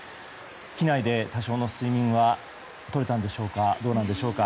機内で多少の睡眠はとれたんでしょうかどうなんでしょうか？